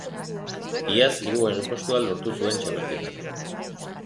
Iaz hirugarren postua lortu zuen txapelketan.